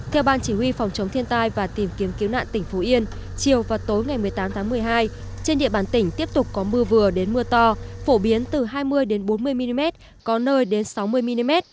theo ban chỉ huy phòng chống thiên tai và tìm kiếm cứu nạn tỉnh phú yên chiều và tối ngày một mươi tám tháng một mươi hai trên địa bàn tỉnh tiếp tục có mưa vừa đến mưa to phổ biến từ hai mươi bốn mươi mm có nơi đến sáu mươi mm